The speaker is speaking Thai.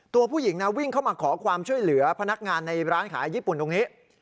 ตัวผู้หญิงนะวิ่งเข้ามาขอความช่วยเหลือพนักงานในร้านขายญี่ปุ่นตรงนี้